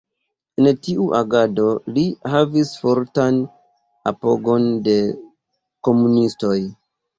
En tiu agado li havis fortan apogon de komunistoj.